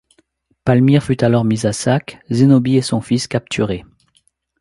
Palmyre fut alors mise à sac; Zénobie et son fils capturés.